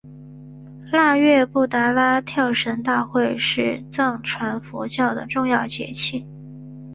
腊月布拉达跳神大会是藏传佛教的重要节庆。